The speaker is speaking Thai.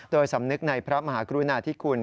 โดยสำนึกในพระมหากรุณาธิคุณ